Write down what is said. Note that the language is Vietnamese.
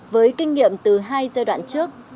với kinh nghiệm từ hai giai đoạn trước